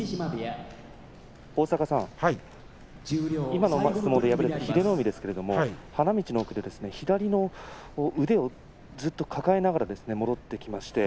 今の相撲で敗れた英乃海ですが花道の奥では左の腕をずっと抱えながら戻ってきました。